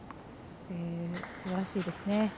すばらしいですね。